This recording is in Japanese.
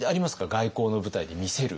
外交の舞台で見せる。